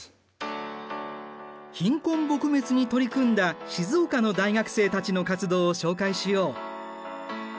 貧困撲滅に取り組んだ静岡の大学生たちの活動を紹介しよう。